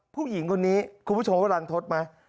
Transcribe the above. ผู้หญิงคนนี้คุณผู้ชมว่ารันทศไหม